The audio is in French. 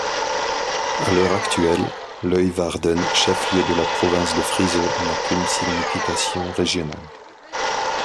À l'heure actuelle, Leeuwarden, chef-lieu de la province de Frise, n'a qu'une signification régionale.